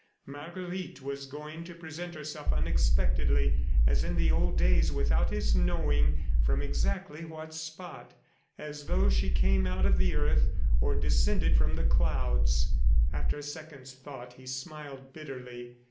Marguerite was going to present herself unexpectedly as in the old days without his knowing from exactly what spot as though she came up out of the earth or descended from the clouds. After a second's thought he smiled bitterly.